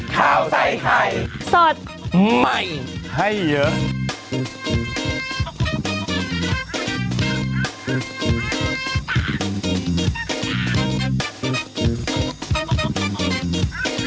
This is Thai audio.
โปรดติดตามตอนต่อไป